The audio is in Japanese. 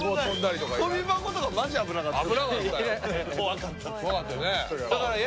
とび箱とかマジで危なかったですね。